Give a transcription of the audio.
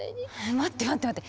待って待って待って。